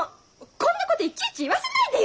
こんなこといちいち言わせないでよ！